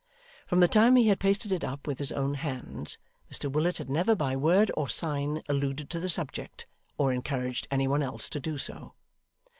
From the time he had pasted it up with his own hands, Mr Willet had never by word or sign alluded to the subject, or encouraged any one else to do so.